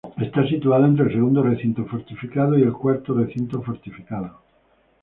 Está situado entre el Segundo Recinto Fortificado y el Cuarto Recinto Fortificado.